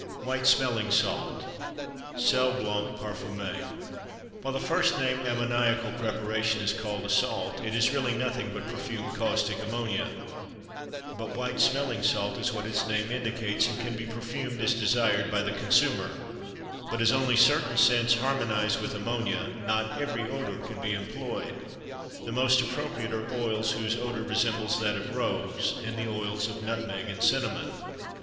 WHITE SMELLING SALT (SEL BLANC PARFUMÉ). While the first named ammoniacal preparation is called a salt, it is really nothing but perfumed caustic ammonia; but white smelling salt is what its name indicates and can be perfumed as desired by the consumer; but as only certain scents harmonize with ammonia, not every odor can be employed; the most appropriate are oils whose odor resembles that of rose, and the oils of nutmeg and cinnamon.